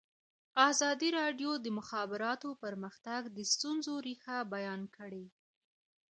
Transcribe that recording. ازادي راډیو د د مخابراتو پرمختګ د ستونزو رېښه بیان کړې.